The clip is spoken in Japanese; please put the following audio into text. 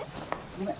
ごめん。